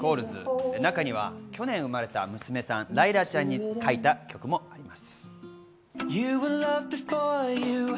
中には去年生まれた娘・ライラちゃんに書いた曲もあります。